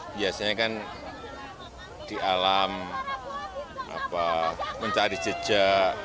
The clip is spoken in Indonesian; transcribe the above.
biasanya kan di alam mencari jejak